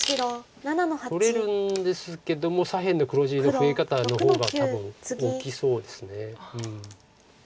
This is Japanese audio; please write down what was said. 取れるんですけども左辺の黒地の増え方のほうが多分大きそうです。